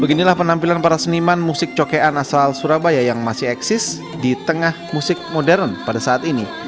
beginilah penampilan para seniman musik cokean asal surabaya yang masih eksis di tengah musik modern pada saat ini